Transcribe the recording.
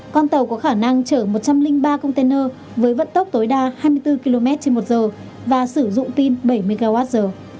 con tàu có khả năng chở một trăm linh ba container với vận tốc tối đa hai mươi bốn km trên một giờ và sử dụng pin bảy mươi kwh